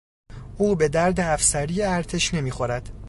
او به درد افسری ارتش نمیخورد.